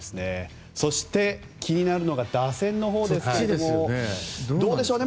そして、気になるのが打線のほうですけどもどうでしょうね。